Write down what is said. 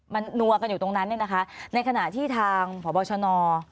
มันนัวกันอยู่ตรงนั้นเนี่ยนะคะในขณะที่ทางพบชน